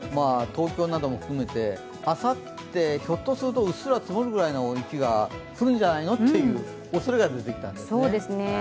東京なども含めてあさって、ひょっとすると雪が積もるくらいの雪が降るんじゃないのというおそれが出てきたんですね。